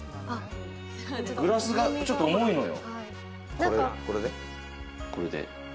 グラスがちょっと重いのよ。